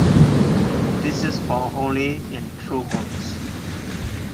This is found only in trogons.